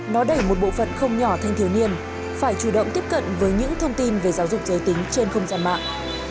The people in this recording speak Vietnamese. nó đẩy một bộ phận không nhỏ thanh thiếu niên phải chủ động tiếp cận với những thông tin về giáo dục giới tính trên không gian mạng